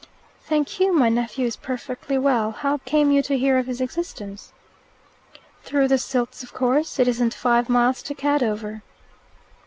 "Thank you. My nephew is perfectly well. How came you to hear of his existence?" "Through the Silts, of course. It isn't five miles to Cadover."